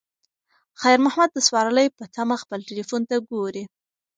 خیر محمد د سوارلۍ په تمه خپل تلیفون ته ګوري.